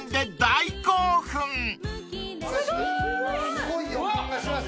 すごい予感がします。